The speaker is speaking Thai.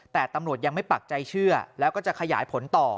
แต่ตำรวจยังไม่ปักใจเชื่อแล้วก็จะขยายผลต่อ